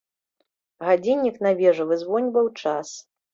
Гадзіннік на вежы вызвоньваў час.